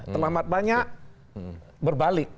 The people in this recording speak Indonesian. terlambat banyak berbalik